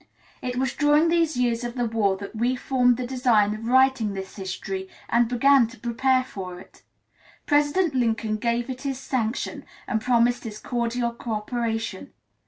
It was during these years of the war that we formed the design of writing this history and began to prepare for it. President Lincoln gave it his sanction and promised his cordial cooperation.